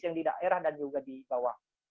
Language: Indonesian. yang di daerah dan juga di bawah